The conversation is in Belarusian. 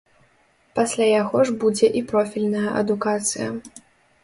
Пасля яго ж будзе і профільная адукацыя.